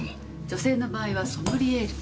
女性の場合はソムリエール。